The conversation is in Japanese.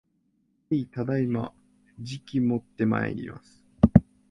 へい、ただいま。じきもってまいります